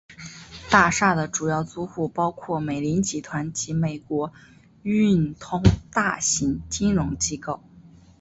大厦的主要租户包括美林集团及美国运通大型金融机构。